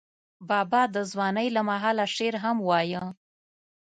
بابا د ځوانۍ له مهاله شعر هم وایه.